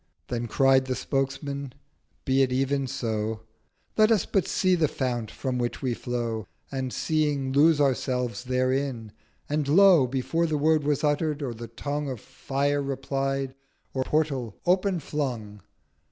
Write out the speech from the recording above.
Then cried the Spokesman, 'Be it even so: Let us but see the Fount from which we flow, 'And, seeing, lose Ourselves therein!' and, Lo! Before the Word was utter'd, or the Tongue Of Fire replied, or Portal open flung.